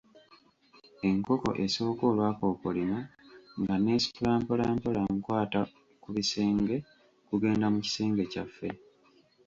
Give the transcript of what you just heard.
Enkoko esooka olwakookolima nga neesitula mpolampola nkwata ku bisenge kugenda mu kisenge kyaffe.